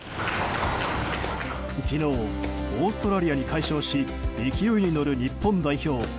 昨日、オーストラリアに快勝し勢いに乗る日本代表。